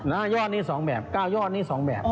ยอดนี้๒แบบ๙ยอดนี้๒แบบ